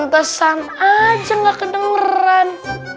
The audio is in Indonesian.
yaduh pantesan aja enggak kedengeran